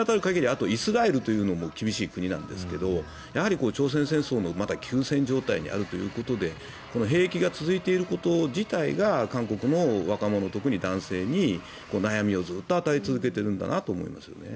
あとイスラエルという国も厳しい国なんですが朝鮮戦争のまだ休戦状態にあるということでこの兵役が続いていること自体が韓国の若者、特に男性に悩みをずっと与え続けているんだと思いますね。